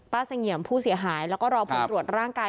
เสงี่ยมผู้เสียหายแล้วก็รอผลตรวจร่างกาย